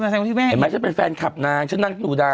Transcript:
เห็นไหมฉันเป็นแฟนคับนางฉันนั่งหนูด้าน